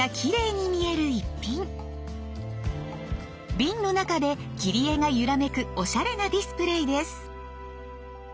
瓶の中で切り絵が揺らめくおしゃれなディスプレーです。